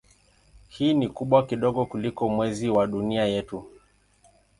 Hii ni kubwa kidogo kuliko Mwezi wa Dunia yetu.